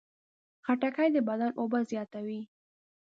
خټکی د بدن اوبه زیاتوي.